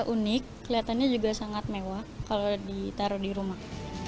unik kelihatannya juga sangat mewah kalau ditaruh di rumah